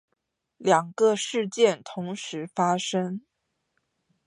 两个事件同时发生